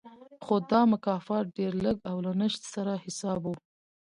خو دا مکافات ډېر لږ او له نشت سره حساب و